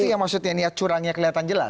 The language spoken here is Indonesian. itu yang maksudnya niat curangnya kelihatan jelas